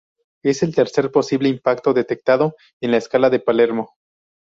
Es el tercer posible impacto detectado en la Escala de Palermo.